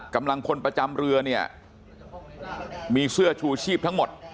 กำลังพลประจำเรือเนี่ยมีเสื้อชูชีพทั้งหมด